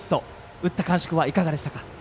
打った感触はいかがですか。